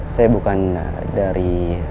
saya bukan dari